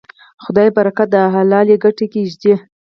خدای برکت د حلالې ګټې کې ږدي.